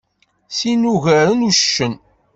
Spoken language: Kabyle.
Sin ugaren uccen.